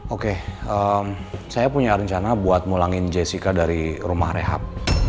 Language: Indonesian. oke saya punya rencana buat mulangin jessica dari rumah rehab